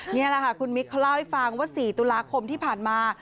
นี่แหละค่ะคุณมิกเขาเล่าให้ฟังว่า๔ตุลาคมที่ผ่านมา